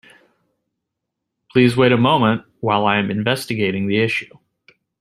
Please wait a moment while I am investigating the issue.